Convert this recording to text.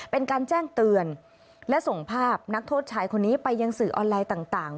เป็นการแจ้งเตือนและส่งภาพนักโทษชายคนนี้ไปยังสื่อออนไลน์ต่าง